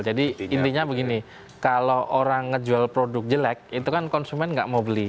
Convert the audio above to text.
jadi intinya begini kalau orang ngejual produk jelek itu kan konsumen nggak mau beli